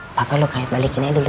gapapa lo balikin aja dulu